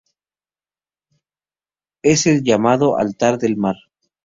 Es el llamado altar del Mar.